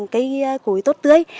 cây cối tốt tươi